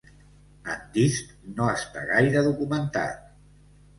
Antist no està gaire documentat.